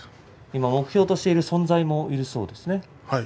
目標としている存在もいるそうですね。